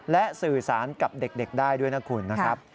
และสื่อสารกับเด็กได้ด้วยนะคุณนะครับ